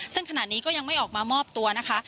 ซึ่งขณะนี้ก็ยังไม่ออกมามอบตัวนะคะ